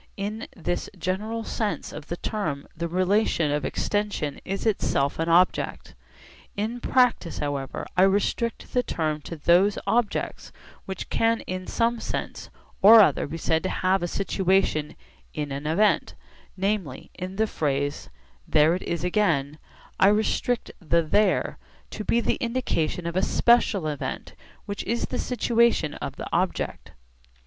In this general sense of the term the relation of extension is itself an object. In practice however I restrict the term to those objects which can in some sense or other be said to have a situation in an event; namely, in the phrase 'There it is again' I restrict the 'there' to be the indication of a special event which is the situation of the object.